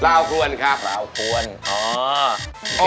ลาวควนครับ